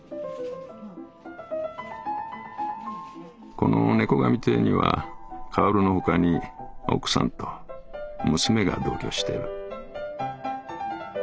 「この猫神亭には薫のほかに奥さんと娘が同居してる。